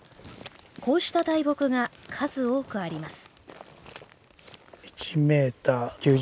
こうした大木が数多くあります